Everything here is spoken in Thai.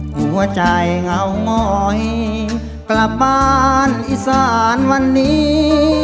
หัวใจเงางอยกลับบ้านอีสานวันนี้